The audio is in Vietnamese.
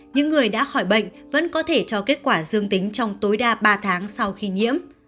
những người đã khỏi bệnh vẫn có thể cho kết quả dương tính trong tối đa ba tháng sau khi nhiễm